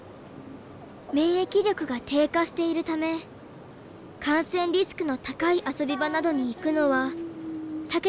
免疫力が低下しているため感染リスクの高い遊び場などに行くのは避けてきました。